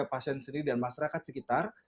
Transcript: atau ada kesalahan sendiri dari masyarakat sekitar